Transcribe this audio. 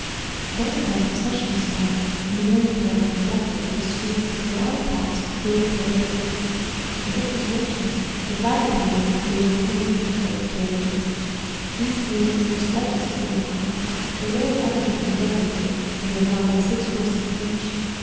Then a grand procession was formed, and the married pair were conducted through the streets to their own palace with great parade. As it was winter, the bridal party were conveyed in sleighs instead of carriages. These sleighs, or sledges as they were called, were very elegantly decorated, and were drawn by six horses each.